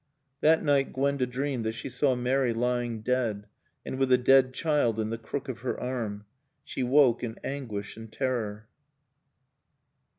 That night Gwenda dreamed that she saw Mary lying dead and with a dead child in the crook of her arm. She woke in anguish and terror.